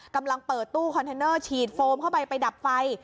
กำลังเปิดตู้คอนเทนเนอร์ฉีดโฟมเข้าไปไปดับไฟ